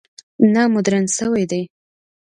نه مډرن شوي دي.